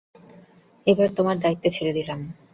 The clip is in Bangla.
এবার এটা তোমার দায়িত্বে ছেড়ে দিলাম।